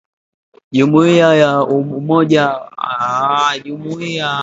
Jumuiya ya umoja wa Afrika imesimamisha uanachama wa Sudan.